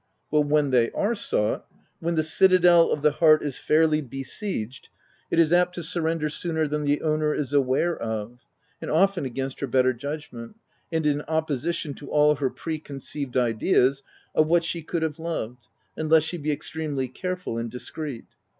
But when they ate sought — when the citadel of the heart is fairly besieged, it is apt to surrender sooner than the owner is aware of, and often against her better judgment, and in opposition to all her preconceived ideas of what she could have loved, unless she be ex tremely careful and discreet.